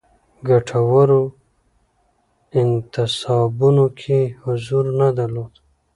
ګټورو انتصابونو کې حضور نه درلود.